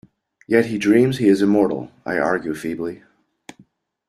Yet he dreams he is immortal, I argue feebly.